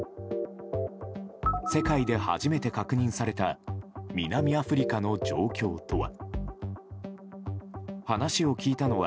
世界で初めて確認された南アフリカの状況とは。